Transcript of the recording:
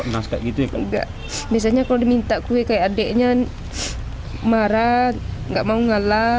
naskah gitu enggak biasanya kalau diminta kue kayak adeknya marah nggak mau ngalah